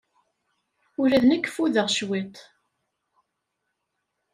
Ula d nekk ffudeɣ cwiṭ.